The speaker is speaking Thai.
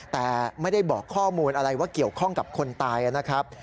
แต่ไม่ได้บอกข้อมูลอะไรว่าเกี่ยวข้องกับคนตายนะครับ